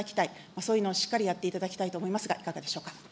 そういうのをしっかりやっていただきたいと思いますが、いかがでしょうか。